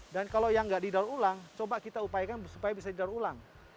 dan kalau yang nggak didaur ulang coba kita upayakan supaya bisa didaur ulang